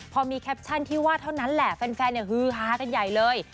พอมีแคปชั่นที่ว่าเท่านั้นแหละแฟนฮือฮากันใหญ่เลย